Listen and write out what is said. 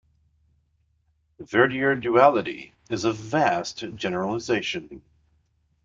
Verdier duality is a vast generalization.